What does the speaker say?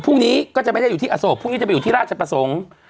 พรุ่งนี้ก็จะไม่ได้อยู่ที่อโศกพรุ่งนี้จะไปอยู่ที่ราชประสงค์